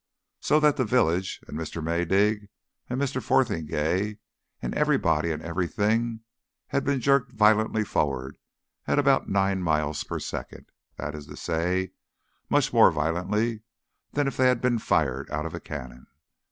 So that the village, and Mr. Maydig, and Mr. Fotheringay, and everybody and everything had been jerked violently forward at about nine miles per second that is to say, much more violently than if they had been fired out of a cannon.